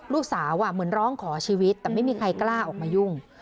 ลูกสาวเหมือนร้องขอชีวิตแต่ไม่มีใครกล้าออกมายุ่ง